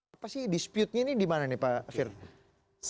apa sih disputenya ini dimana nih pak firdaus